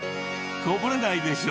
こぼれないでしょ。